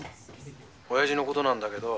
親父のことなんだけど。